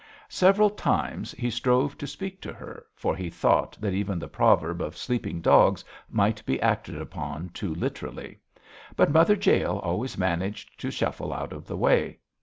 Several times he strove to speak to her, for he thought that even the proverb of sleeping dogs might be acted upon too literally; but Mother Jael always managed to shuffle out of the way.